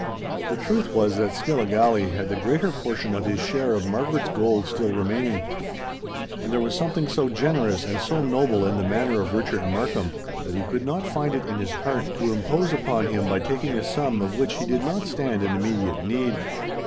The truth was that Skilligalee had the greater portion of his share of Margaret's gold still remaining; and there was something so generous and so noble in the manner of Richard Markham, that he could not find it in his heart to impose upon him by taking a sum of which he did not stand in immediate need.